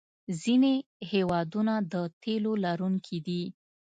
ځینې هېوادونه د تیلو لرونکي دي.